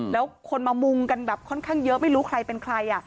แล้วคนมามุงกันแบบค่อนข้างเยอะไม่รู้ใครเป็นใคร